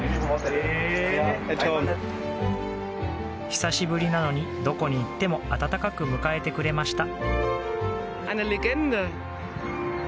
久しぶりなのにどこに行っても温かく迎えてくれました。